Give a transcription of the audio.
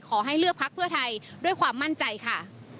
ขอให้เลือกพักเพื่อไทยด้วยความมั่นใจค่ะ